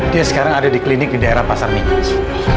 dia sekarang ada di klinik di daerah pasar minis